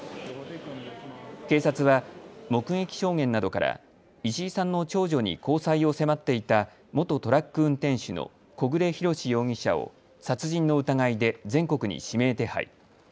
警察は目撃証言などから石井さんの長女に交際を迫っていた元トラック運転手の小暮洋史容疑者を殺人の疑いで全国に指名手配。